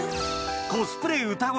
コスプレ歌声